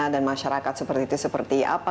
dan masyarakat seperti itu seperti apa